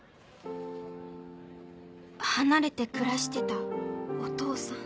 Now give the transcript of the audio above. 離れて暮らしてたお父さん？